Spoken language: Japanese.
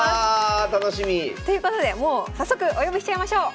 楽しみ。ということでもう早速お呼びしちゃいましょう！